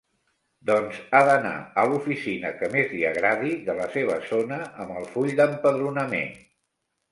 Doncs ha d'anar a l'oficina que més li agradi de la seva zona amb el full d'empadronament.